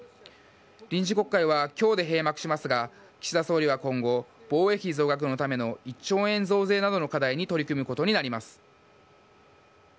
臨時国会は今日で閉幕しますが岸田総理は今後防衛費増額のための１兆円増税などの課題に取り組むことになります。